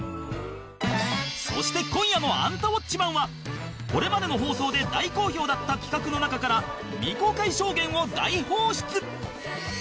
そして今夜の『アンタウォッチマン！』はこれまでの放送で大好評だった企画の中から題して